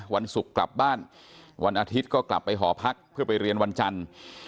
วันศุกร์กลับบ้านวันอาทิตย์ก็กลับไปหอพักเพื่อไปเรียนวันจันทร์